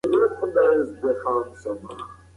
دا پروسه د کلاوډ کمپیوټینګ په واسطه په ډېر سرعت ترسره کیږي.